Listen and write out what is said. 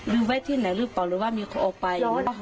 ไว้ที่ไหนหรือเปล่าหรือว่ามีคนออกไป